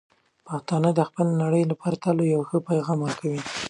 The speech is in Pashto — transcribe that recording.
پښتانه د خپلې نړۍ لپاره تل به یو ښه پېغام ورکوي.